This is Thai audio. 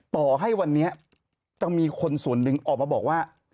ต่อให้วันนี้จะมีคนส่วนหนึ่งออกมาบอกว่า